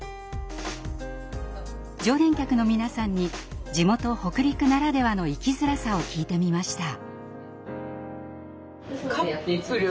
常連客の皆さんに地元北陸ならではの生きづらさを聞いてみました。